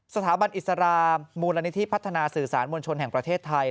สถาบันอิสรามมูลนิธิพัฒนาสื่อสารมวลชนแห่งประเทศไทย